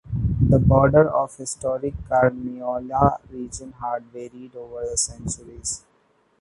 The borders of the historic Carniola region had varied over the centuries.